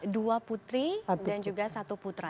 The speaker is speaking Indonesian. dua putri dan juga satu putra